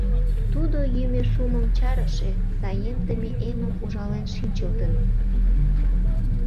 Тудо йӱмӧ шумым чарыше, саемдыме эмым ужален шинчылтын.